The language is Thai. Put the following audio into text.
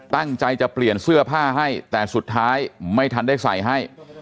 ตั้งใจจะเปลี่ยนเสื้อผ้าให้แต่สุดท้ายไม่ทันได้ใส่ให้